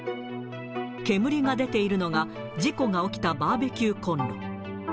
煙が出ているのが、事故が起きたバーベキューコンロ。